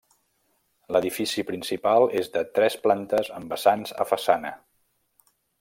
L'edifici principal és de tres plantes amb vessants a façana.